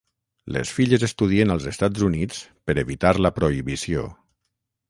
Les filles estudien als Estats Units per evitar la prohibició.